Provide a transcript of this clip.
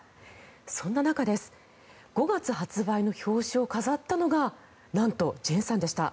そんな中、５月発売の表紙を飾ったのがなんと、ジェンさんでした。